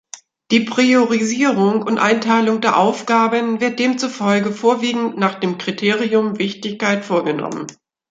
Die Priorisierung und Einteilung der Aufgaben wird demzufolge vorwiegend nach dem Kriterium „Wichtigkeit“ vorgenommen.